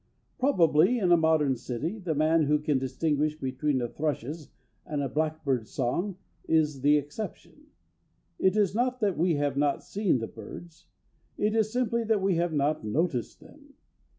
Probably in a modern city the man who can distinguish between a thrush's and a blackbird's song is the exception. It is not that we have not seen the birds. It is simply that we have not noticed them.